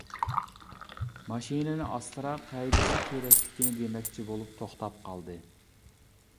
ماشىنىنى ئاستىراق ھەيدىشى كېرەكلىكىنى دېمەكچى بولۇپ توختاپ قالدى.